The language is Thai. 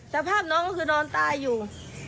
สภาพน้องก็คือนอนตายอยู่